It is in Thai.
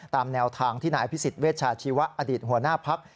ตามแนวทางที่นายอภิษฎเวชาชีวะอดีตหัวหน้าพัก